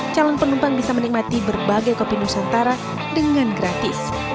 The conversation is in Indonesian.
calon penumpang bisa menikmati berbagai kopi nusantara dengan gratis